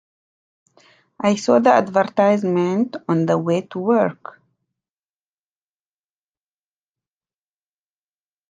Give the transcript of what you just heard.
I saw the advertisement on the way to work.